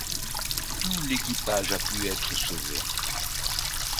Tout l'équipage a pu être sauvé.